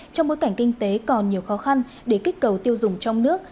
trong bối cảnh kinh tế còn nhiều khó khăn để kích cầu tiêu dùng trong nước